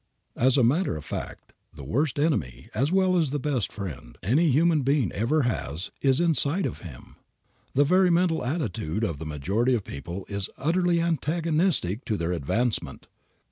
As a matter of fact the worst enemy, as well as the best friend, any human being ever has is inside of him. The very mental attitude of the majority of people is utterly antagonistic to their advancement.